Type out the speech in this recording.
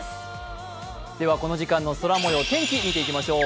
この時間の空もよう、天気を見ていきましょう。